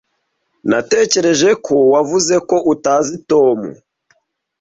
Natekereje ko wavuze ko utazi Tom.